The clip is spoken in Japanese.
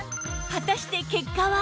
果たして結果は？